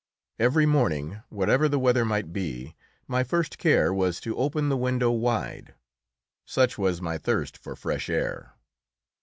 Every morning, whatever the weather might be, my first care was to open the window wide, such was my thirst for fresh air.